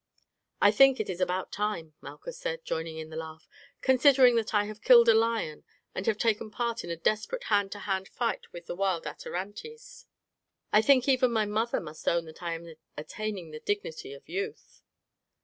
"I think it is about time," Malchus said, joining in the laugh, "considering that I have killed a lion and have taken part in a desperate hand to hand fight with the wild Atarantes. I think even my mother must own that I am attaining the dignity of youth."